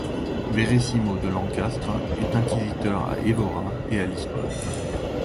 Veríssimo de Lencastre est inquisiteur à Évora et à Lisbonne.